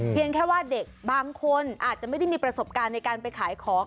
แค่ว่าเด็กบางคนอาจจะไม่ได้มีประสบการณ์ในการไปขายของ